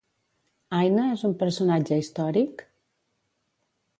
Áine és un personatge històric?